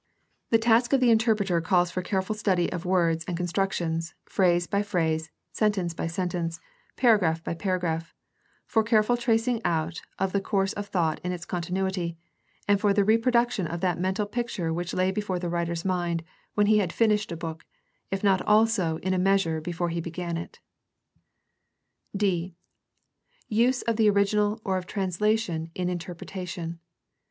The task of the interpreter calls for careful study of words and constructions, phrase by phrase, sentence by sentence, paragraph by paragraph, for careful tracing out of the course of thought in its continuity, and for the reproduction of that mental picture which lay before the writer's mind when he had finished his book, if not also in a measure before he began it. d) Use of the original or of translation in interpretation.